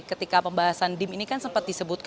ketika pembahasan dim ini kan sempat disebut